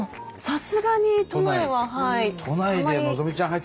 さすがに都内は。